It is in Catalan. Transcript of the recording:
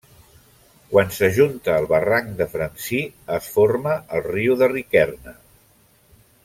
Quan s'ajunta al barranc de Francí, es forma el riu de Riqüerna.